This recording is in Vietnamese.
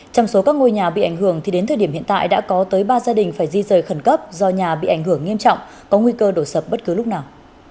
trong số các ngôi nhà bị ảnh hưởng thì đến thời điểm hiện tại đã có tới ba gia đình phải di rời khẩn cấp do nhà bị ảnh hưởng nghiêm trọng có nguy cơ đổ sập bất cứ lúc nào